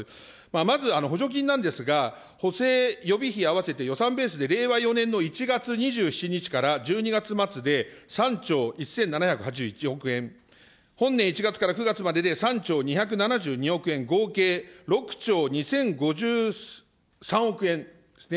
まず補助金なんですが、補正予備費、合わせて予算ベースで令和４年の１月２７日から１２月末で、３兆１７８１億円、本年１月から９月までで３兆２７２億円、合計６兆２０５３億円ですね。